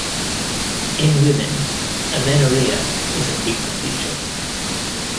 In women, amenorrhoea is a frequent feature.